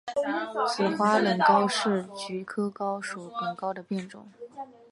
紫花冷蒿是菊科蒿属冷蒿的变种。